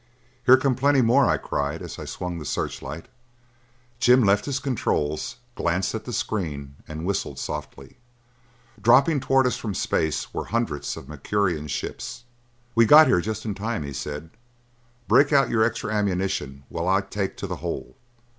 "Here come plenty more," I cried as I swung the searchlight. Jim left his controls, glanced at the screen and whistled softly. Dropping toward us from space were hundreds of the Mercurian ships. "We got here just in time," he said. "Break out your extra ammunition while I take to the hole.